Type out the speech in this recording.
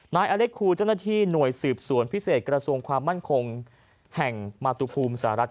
นายอเล็กคูเจ้าหน้าที่หน่วยสืบสวนพิเศษกระทรวงความมั่นคงแห่งมาตุภูมิสหรัฐ